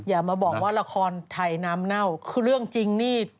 อย่ามาบอกว่าละครไทยน้ำเน่าคือเรื่องจริงนี่